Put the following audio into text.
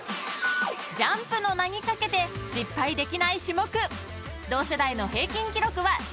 ［ＪＵＭＰの名に懸けて失敗できない種目］